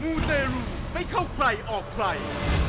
ูเตรูไม่เข้าใครออกใคร